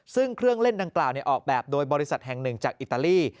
ซึ่งเครื่องเล่นดังกล่าวออกแบบโดยบริษัทแห่งหนึ่งจากอิตาลี